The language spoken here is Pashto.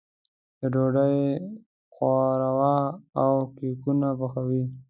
ډوډۍ، ښوروا او کيکونه پخوي.